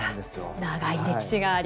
長い歴史があります。